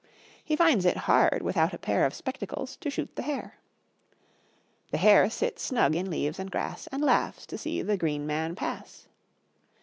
He finds it hard, without a pair Of spectacles, to shoot the hare. The hare sits snug in leaves and grass, And laughs to see the green man pass.